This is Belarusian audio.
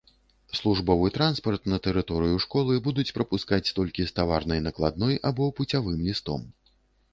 Службовы транспарт на тэрыторыю школы будуць прапускаць толькі з таварнай накладной або пуцявым лістом.